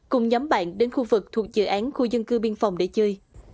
cùng nhóm bạn đến khu vực thuộc dự án khu dân cư biên phòng để chơi